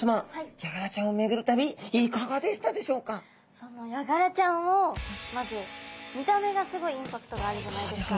ヤガラちゃんをまず見た目がすごいインパクトがあるじゃないですか。